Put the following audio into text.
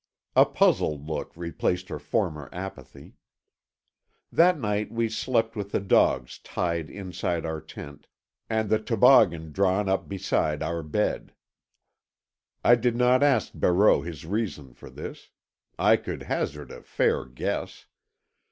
A puzzled look replaced her former apathy. That night we slept with the dogs tied inside our tent, and the toboggan drawn up beside our bed. I did not ask Barreau his reason for this. I could hazard a fair guess.